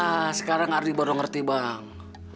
ah sekarang ardi baru ngerti bang